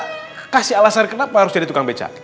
coba kasih alasan kenapa harus jadi tukang becam